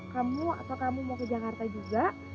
kamu atau kamu mau ke jakarta juga